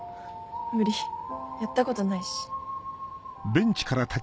無理やったことないし。